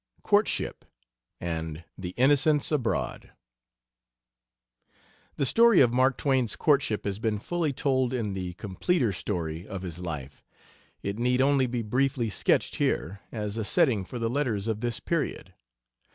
COURTSHIP, AND "THE INNOCENTS ABROAD" The story of Mark Twain's courtship has been fully told in the completer story of his life; it need only be briefly sketched here as a setting for the letters of this period.